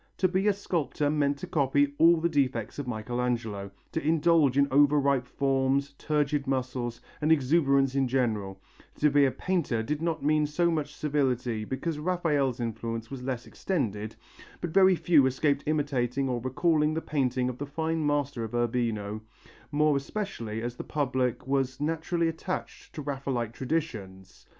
To be a sculptor meant to copy all the defects of Michelangelo, to indulge in over ripe forms, turgid muscles and exuberance in general; to be a painter did not mean so much servility because Raphael's influence was less extended, but very few escaped imitating or recalling the painting of the fine master of Urbino, more especially as the public was naturally attached to Raphaelite traditions.